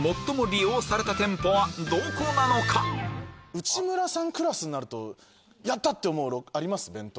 内村さんクラスになるとやった！って思うのあります？